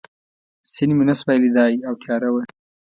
سیند مې نه شوای لیدای او تیاره وه.